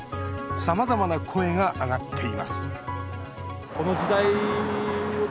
さまざまな声が上がっています